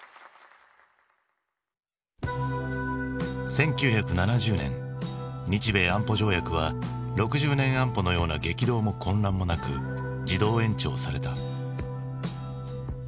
１９７０年日米安保条約は６０年安保のような激動も混乱もなく自動延長された。